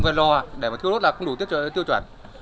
nếu đủ tiêu chuẩn là không đủ tiêu chuẩn